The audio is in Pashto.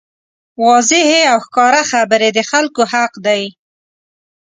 واضحې او ښکاره خبرې د خلکو حق دی.